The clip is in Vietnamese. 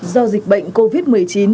do dịch bệnh covid một mươi chín